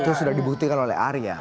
itu sudah dibuktikan oleh arya